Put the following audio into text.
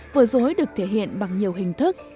vợ dối được thể hiện bằng nhiều hình thức